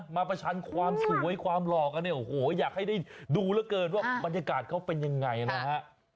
ประชันความสวยความหล่อกันเนี่ยโอ้โหอยากให้ได้ดูเหลือเกินว่าบรรยากาศเขาเป็นยังไงนะฮะ